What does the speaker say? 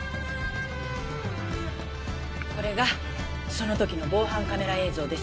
これがその時の防犯カメラ映像です。